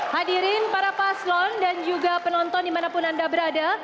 hadirin para paslon dan juga penonton dimanapun anda berada